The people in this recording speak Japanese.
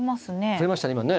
振れましたね今ね。